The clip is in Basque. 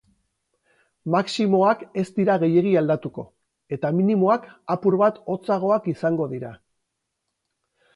Maximoak ez dira gehiegi aldatuko, eta minimoak apur bat hotzagoak izango dira.